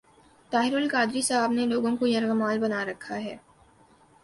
طاہر القادری صاحب نے لوگوں کو یرغمال بنا رکھا ہے۔